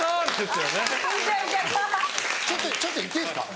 ちょっとちょっと言っていいですか？